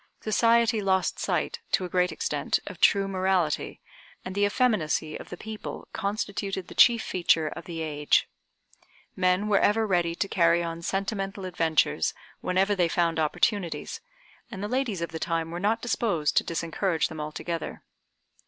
Society lost sight, to a great extent, of true morality, and the effeminacy of the people constituted the chief feature of the age. Men were ever ready to carry on sentimental adventures whenever they found opportunities, and the ladies of the time were not disposed to disencourage them altogether.